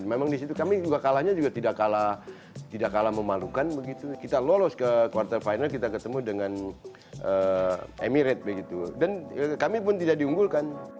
memang di situ kami kalahnya juga tidak kalah memalukan kita lolos ke quarter final kita ketemu dengan emirates dan kami pun tidak diunggulkan